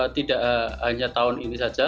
tidak hanya tahun ini saja